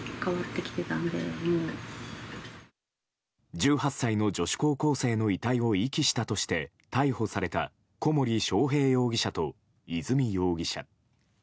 １８歳の女子高校生の遺体を遺棄したとして逮捕された小森章平容疑者と和美容疑者。